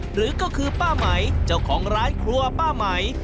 หรือก็คือป้าไหมเจ้าของร้านครัวป้าไหม